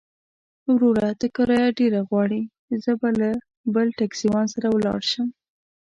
وروره! ته کرايه ډېره غواړې، زه به له بل ټکسيوان سره ولاړ شم.